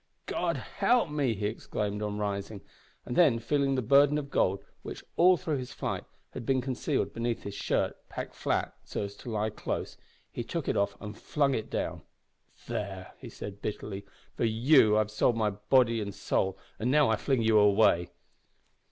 "God help me!" he exclaimed, on rising, and then feeling the burden of gold (which, all through his flight had been concealed beneath his shirt, packed flat so as to lie close), he took it off and flung it down. "There," he said bitterly, "for you I have sold myself body and soul, and now I fling you away!"